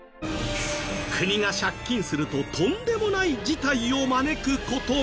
国が借金するととんでもない事態を招く事も？